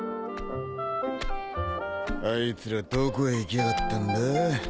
あいつらどこへ行きやがったんだ？